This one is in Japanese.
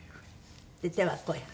で手はこうやる？